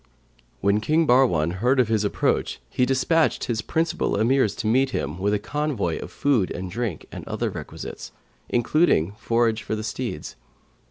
When King Bahrwan heard of his approach, he despatched his principal Emirs to meet him,[FN#537] with a convoy of food and drink and other requisites, including forage for the steeds.